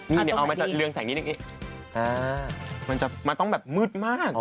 นี่เดี๋ยวเอามาจะเรืองแสงนิดนึงมันจะมันต้องแบบมืดมาก